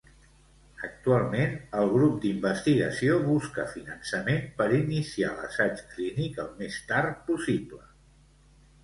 Actualment, el grup d'investigació busca finançament per iniciar l'assaig clínic el més tard possible.